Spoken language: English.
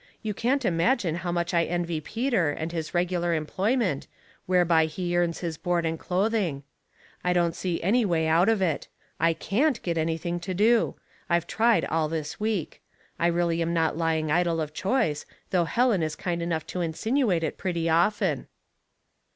You can't imagine how much I envy Peter and his regular employment, whereby he earns his board and clothing. I don't see a.^^ «ray out of it. I canH get anything to do. I've tried all this week. I really am not lying idle of choice, though Helen is kind enough to insinuate it pretty often."